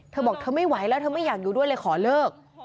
เธอบอกเธอไม่ไหวแล้วเธอไม่อยากอยู่ด้วยเลยขอเลิก